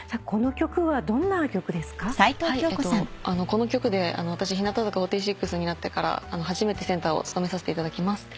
この曲で私日向坂４６になってから初めてセンターを務めさせていただきます。